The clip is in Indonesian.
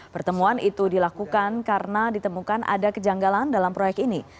pertemuan itu dilakukan karena ditemukan ada kejanggalan dalam proyek ini